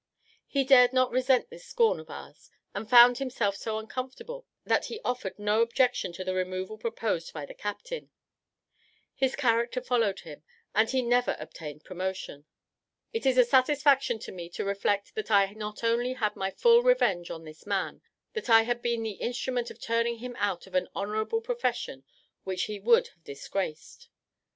He dared not resent this scorn of ours; and found himself so uncomfortable, that he offered no objection to the removal proposed by the captain; his character followed him, and he never obtained promotion. It is a satisfaction to me to reflect that I not only had my full revenge on this man, but that I had been the instrument of turning him out of an honourable profession which he would have disgraced.